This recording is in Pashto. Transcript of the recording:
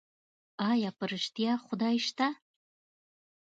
ايا په رښتيا خدای سته؟